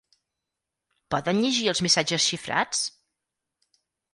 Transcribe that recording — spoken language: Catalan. Poden llegir els missatges xifrats?